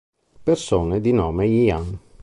Persone di nome Ian